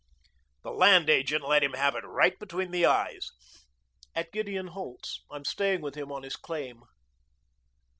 The land agent let him have it right between the eyes. "At Gideon Holt's. I'm staying with him on his claim."